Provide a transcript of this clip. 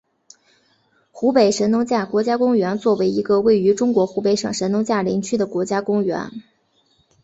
湖北神农架国家公园为一个位于中国湖北省神农架林区的国家公园。